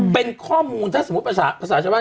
เป็นข้อมูลถ้าสมมุติภาษาภาษาชาวบ้าน